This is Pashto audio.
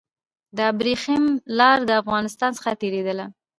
د ابريښم لار د افغانستان څخه تېرېدله.